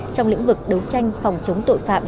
trong lĩnh vực đấu tranh phòng chống tội phạm